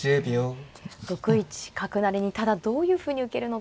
６一角成にただどういうふうに受けるのか。